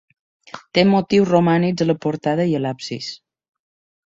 Té motius romànics a la portada i a l'absis.